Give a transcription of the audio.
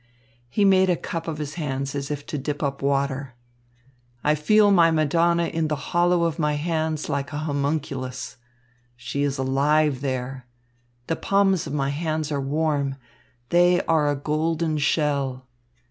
He made a cup of his hands as if to dip up water. "I feel my Madonna in the hollow of my hands like a homunculus. She is alive there. The palms of my hands are warm. They are a golden shell.